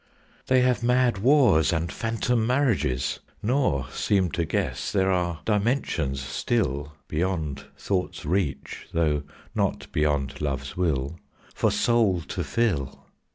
They have mad wars and phantom marriages; Nor seem to guess There are dimensions still, Beyond thought's reach, though not beyond love's will, For soul to fill.